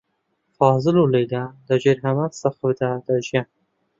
فازڵ و لەیلا لەژێر هەمان سەقفدا دەژیان.